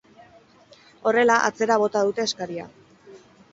Horrela, atzera bota dute eskaria.